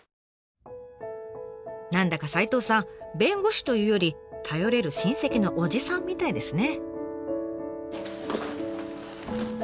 何だか齋藤さん弁護士というより頼れる親戚のおじさんみたいですね。